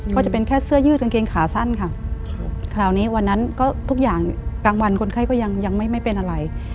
ก็จะเป็นแค่เสื้อยืดกางเกงขาสั้นค่ะคราวนี้วันนั้นก็ทุกอย่างกลางวันคนไข้ก็ยังไม่เป็นอะไร